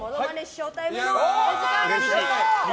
ショータイムの時間です。